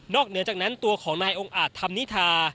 เหนือจากนั้นตัวของนายองค์อาจธรรมนิธา